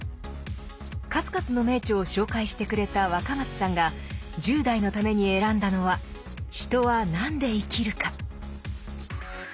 数々の名著を紹介してくれた若松さんが１０代のために選んだのは「人は何で生きるか」。